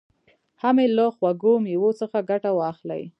هم یې له خوږو مېوو څخه ګټه واخلي.